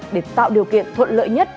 để tạo điều kiện thuận lợi nhất